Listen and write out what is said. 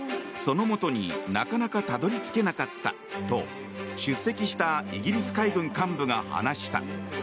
そのもとになかなかたどり着けなかったと出席したイギリス海軍幹部が話した。